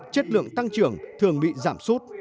chất lượng tăng trưởng thường bị giảm sút